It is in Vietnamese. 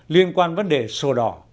liên quan vấn đề sổ đỏ